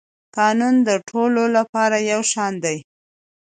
قانون د ټولو لپاره یو شان دی.